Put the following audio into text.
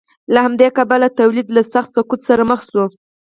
له همدې کبله تولید له سخت سقوط سره مخ شو.